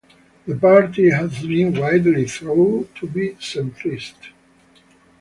The party has been widely thought to be centrist.